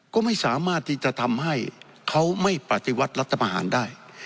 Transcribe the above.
ก็ไม่สามารถที่จะทำให้เขาไม่ปฏิวัติรัฐประหารได้